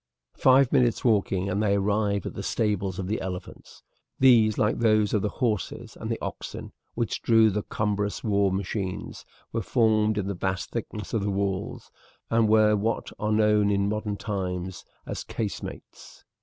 Five minutes' walking and they arrived at the stables of the elephants. These, like those of the horses and the oxen which drew the cumbrous war machines, were formed in the vast thickness of the walls, and were what are known in modern times as casemates.